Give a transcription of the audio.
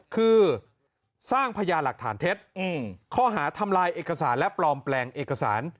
คือสร้างพญาหลักฐานเท็จข้อหาทำลายเอกสารและปลอมแปลงเอกสาร